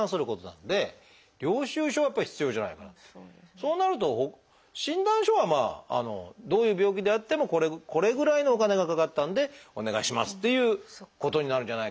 そうなると診断書はまあどういう病気であってもこれぐらいのお金がかかったのでお願いしますっていうことになるんじゃないかという判断ですね。